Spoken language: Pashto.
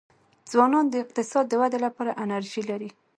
ځوانان د اقتصاد د ودې لپاره انرژي لري.